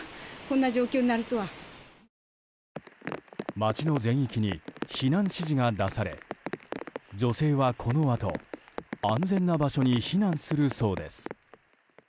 町の全域に避難指示が出され女性はこのあと安全な場所に避難するそうです。